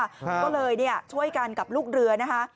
ก็เลยช่วยกันกับลูกเรือนะคะ